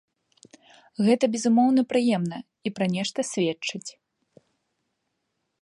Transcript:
Гэта, безумоўна, прыемна, і пра нешта сведчыць.